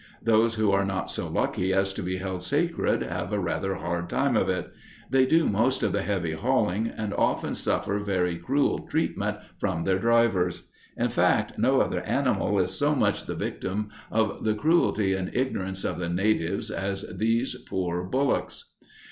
Those who are not so lucky as to be held sacred have a rather hard time of it. They do most of the heavy hauling, and often suffer very cruel treatment from their drivers. In fact, no other animal is so much the victim of the cruelty and ignorance of the natives as these poor bullocks.